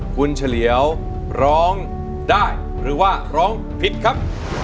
คุณเฉลียวร้องได้หรือว่าร้องผิดครับ